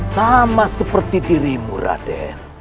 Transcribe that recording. sama seperti dirimu raden